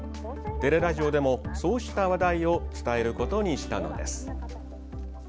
「てれらじお」でもそうした話題を伝えることにしたのです。